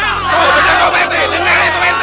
tuh bener kok pak rt dengar itu pak rt dengar ga